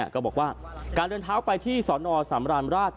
ก็บอกว่าการเดินเท้าไปที่สนสำราญราช